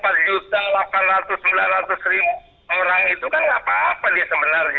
artinya ada empat jutaan oh ada empat juta delapan ratus sembilan ratus ribu orang itu kan nggak apa apa dia sebenarnya